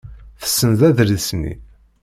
Tessenz adlis-nni.